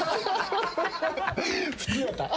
普通やった？